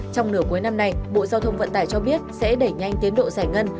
trong nửa cuối năm nay bộ giao thông vận tải cho biết sẽ đẩy nhanh tiến độ giải ngân